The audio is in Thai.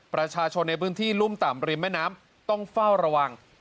ประชาชนในพื้นที่รุ่มต่ำริมแม่น้ำต้องเฝ้าระวัง